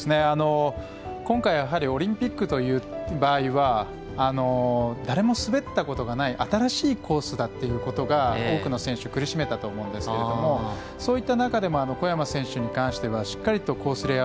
今回オリンピックという場合は誰も滑ったことがない新しいコースだということが多くの選手を苦しめたと思うんですけどそういった中でも小山選手に関してはしっかりコース